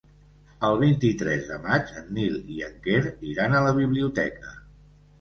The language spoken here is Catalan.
El vint-i-tres de maig en Nil i en Quer iran a la biblioteca.